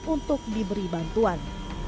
untuk diberi bantuan